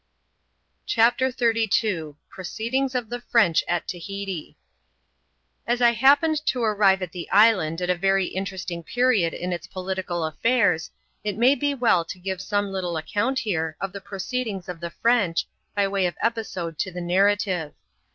124 ADVENTURES IN THE SOUTH SEAS. [chap, xxxil CHAPTER XXXn. Proceedings of the French at Tahiti As I happened to arrive at the island at a very interesting period in its political affairs, it may be well to give some Uttle account here of the proceedings of the French, by way of episode to the narrative.